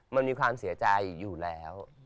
มันมีความเสียใจอยู่แล้ว